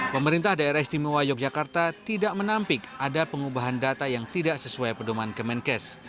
pemerintah daerah istimewa yogyakarta tidak menampik ada pengubahan data yang tidak sesuai pedoman kemenkes